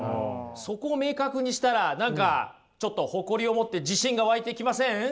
そこを明確にしたら何かちょっと誇りを持って自信が湧いてきません？